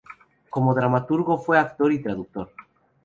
Como dramaturgo fue autor y traductor.